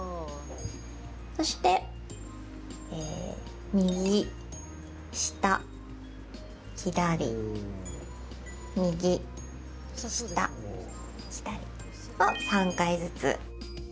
そして、右、下、左右、下、左を３回ずつ。